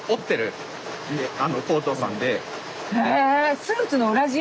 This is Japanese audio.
へえスーツの裏地？